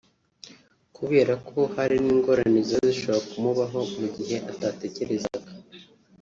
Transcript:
kubera ko hari n’ingorane ziba zishobora kumubaho mu gihe atatekerezaga